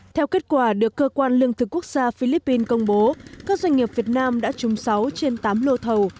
theo kết quả được cơ quan lương thực quốc gia philippines công bố các doanh nghiệp việt nam đã chung sáu trên tám lô thầu